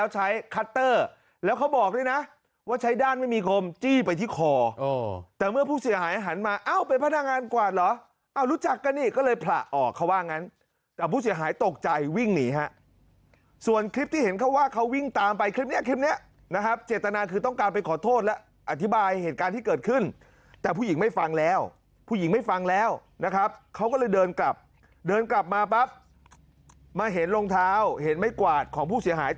หันมาเอ้าเป็นพนักงานกวาดเหรอเอ้ารู้จักกันเนี่ยก็เลยผละอ่อเขาว่างั้นแต่ผู้เสียหายตกใจวิ่งหนีฮะส่วนคลิปที่เห็นเขาว่าเขาวิ่งตามไปคลิปนี้คลิปนี้นะครับเจตนาคือต้องการไปขอโทษแล้วอธิบายเหตุการณ์ที่เกิดขึ้นแต่ผู้หญิงไม่ฟังแล้วผู้หญิงไม่ฟังแล้วนะครับเขาก็เลยเดินกลับเดินกลับมาปั